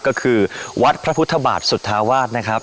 ก็คือวัดพระพุทธบาทสุธาวาสนะครับ